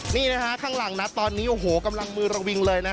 นี่ข้างหลังตอนนี้กำลังมือระวิงเลย